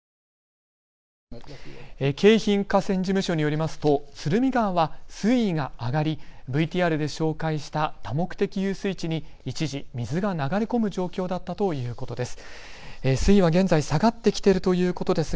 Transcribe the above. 京浜河川事務所によりますと鶴見川は水位が上がりＶＴＲで紹介した多目的遊水地に一時、水が流れ込む状況だったということです。